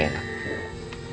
ya ini tuh